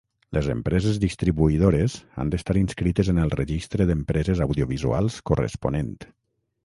Les empreses distribuïdores han d'estar inscrites en el registre d'empreses audiovisuals corresponent.